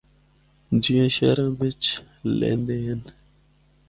جیّاں شہراں بچ لیندے ہن۔